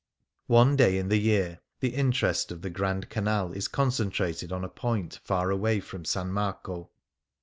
One day in the year the interest of the Grand Canal is concentrated on a point far away from S. ]VIarco.